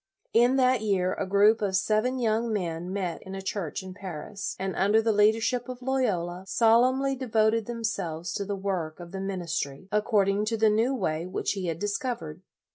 In that year a group of seven young men met in a church in Paris, and under the leadership of Loyola, solemnly de voted themselves to the work of the min istry, according to the new way which he had discovered.